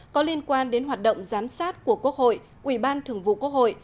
có liên quan đến hoạt động giám sát của quốc hội ủy ban thường vụ quốc hội